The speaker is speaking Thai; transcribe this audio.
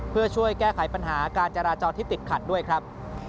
เพื่อช่วยแก้ไขปัญหาการจราจรที่ติดขัดด้วยครับ